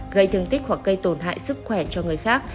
gây thương tích hoặc gây tổn hại sức khỏe cho người khác